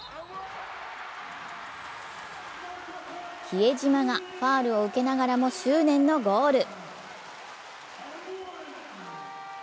比江島がファウルを受けながらも執念のゴール。